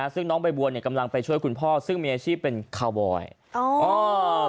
ซึ่งน้องใบบัวเนี่ยกำลังไปช่วยคุณพ่อซึ่งมีอาชีพเป็นคาวบอย